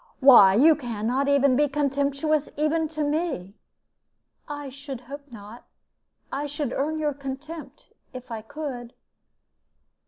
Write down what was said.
Why, you can not be contemptuous even to me!" "I should hope not. I should earn your contempt, if I could."